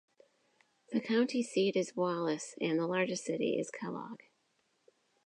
The county seat is Wallace, and the largest city is Kellogg.